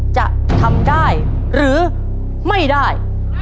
จะทำได้หรือไม่ได้